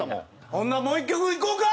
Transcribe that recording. ほんならもう１曲いこうか！